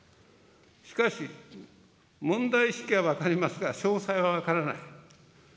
しかし、問題意識は分かりますが、詳細は分からない。